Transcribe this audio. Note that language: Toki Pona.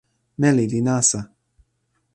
meli li nasa.